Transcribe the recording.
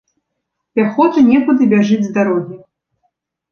Пяхота некуды бяжыць з дарогі.